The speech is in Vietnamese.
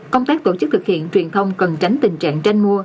công tác tổ chức thực hiện truyền thông cần tránh tình trạng tranh mua